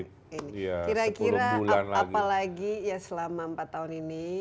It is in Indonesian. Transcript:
kira kira apalagi ya selama empat tahun ini